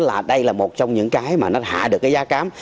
cho nên đây là một trong những cái mà nó hạ được cái giá cám